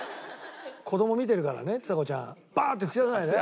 子供見てるからねちさ子ちゃん。バッ！って吹き出さないでね。